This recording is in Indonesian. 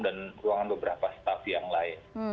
dan ruangan beberapa staff yang lain